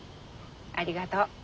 ありがとう。